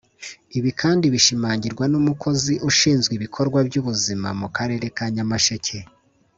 Ibi kandi bishimangirwa n’umukozi ushinzwe ibikorwa by’ubuzima mu Karere ka Nyamasheke